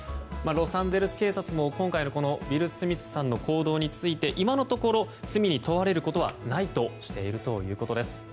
ロサンゼルス警察も今回のウィル・スミスさんの行動について今のところ、罪に問われることはないとしているということです。